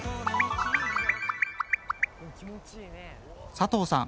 佐藤さん